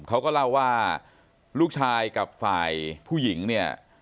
เขาก็เล่าว่าลูกชายกับฝ่ายผู้หญิงเนี่ย